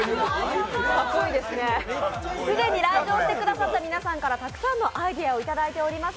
既に来場してくださった皆さんからたくさんのアイデアをいただいております。